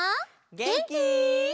げんき？